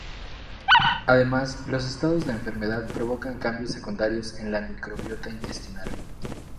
Además, los estados de enfermedad provocan cambios secundarios en la microbiota intestinal.